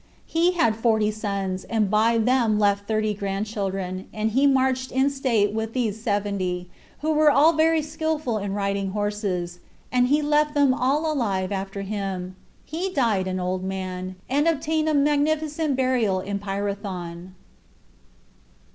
He had forty sons, and by them left thirty grandchildren; and he marched in state with these seventy, who were all very skillful in riding horses; and he left them all alive after him. He died an old man, and obtained a magnificent burial in Pyrathon.